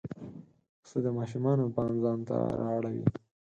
پسه د ماشومانو پام ځان ته را اړوي.